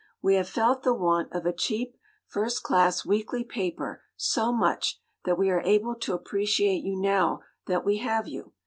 We have felt the want of a cheap, first class weekly paper so much that we are able to appreciate you now that we have you.